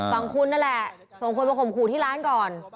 ฝั่งคุณนั่นแหละส่งคนมาข่มขู่ที่ร้านก่อน